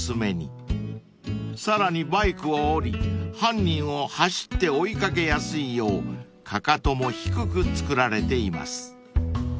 ［さらにバイクを降り犯人を走って追い掛けやすいようかかとも低く作られています］